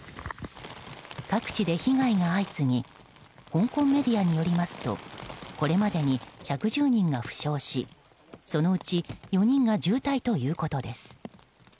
各地で被害が相次ぎ香港メディアによりますとこれまでに１１０人が負傷しそのうち４人が重体ということです。